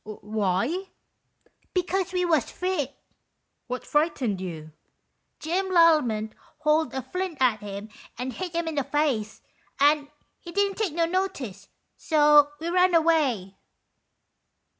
"Why?" " Because we was frit." "What frightened you? "" Jim Lallement hauled a flint at him and hit him in the face, and he didn't take no notice, so we run away."